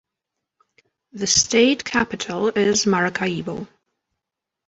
The state capital is Maracaibo.